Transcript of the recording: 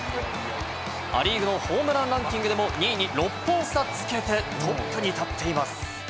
ア・リーグのホームランランキングの２位に６本差をつけてトップに立っています。